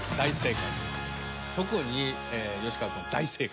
特に吉川君大正解。